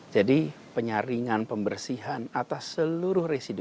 jadi penyaringan pembersihan atas seluruh residu